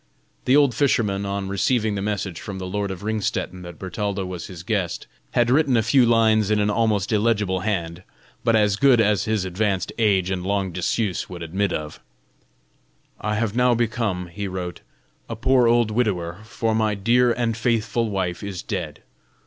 The old fisherman, on receiving the message from the lord of Ringstetten that Bertalda was his guest, had written a few lines in an almost illegible hand, but as good as his advanced age and long dis would admit of. "I have now become," he wrote, "a poor old widower, for my dear and faithful wife is dead.